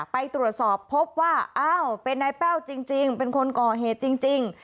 ไปตรวจสอบพบว่าอ้าวเป็นนายแป้วจริงเป็นคนก่อเหตุจริง